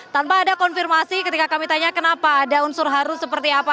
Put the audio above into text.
tanpa ada konfirmasi ketika kami tanya kenapa ada unsur haru seperti apa